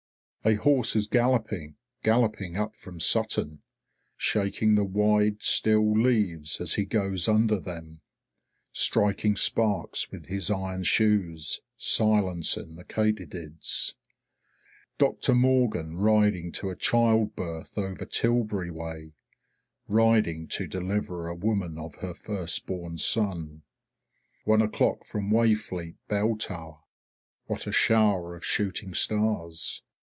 A horse is galloping, galloping up from Sutton. Shaking the wide, still leaves as he goes under them. Striking sparks with his iron shoes; silencing the katydids. Dr. Morgan riding to a child birth over Tilbury way; riding to deliver a woman of her first born son. One o'clock from Wayfleet bell tower, what a shower of shooting stars!